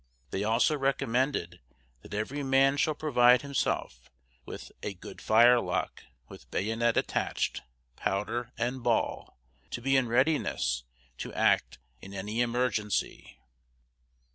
They also recommended that every man should provide himself with "a good firelock, with bayonet attached, powder and ball," to be in readiness to act in any emergency.